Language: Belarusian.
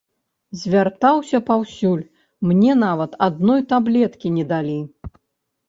Звяртаўся паўсюль, мне нават адной таблеткі не далі.